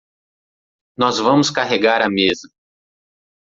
Nós vamos carregar a mesa.